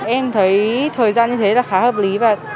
em thấy thời gian như thế là khá hợp lý và